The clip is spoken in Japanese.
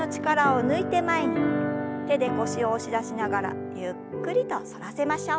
手で腰を押し出しながらゆっくりと反らせましょう。